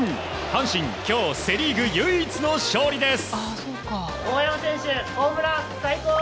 阪神、今日セ・リーグ唯一の勝利です。